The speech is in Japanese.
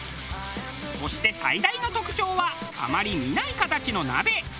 そして最大の特徴はあまり見ない形の鍋。